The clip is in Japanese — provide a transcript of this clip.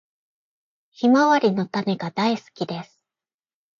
ヒマワリの種が大好きです。